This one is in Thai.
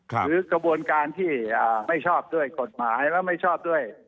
หรือกระบวนการที่ไม่ชอบด้วยกฎหมายแล้วไม่ชอบด้วย